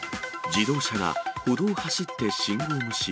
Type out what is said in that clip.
自動車が歩道走って信号無視。